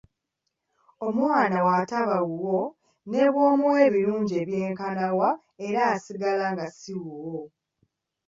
Omwana bw’ataba wuwo ne bw’omuwa ebirungi ebyenkana wa era asigala nga si wuwo.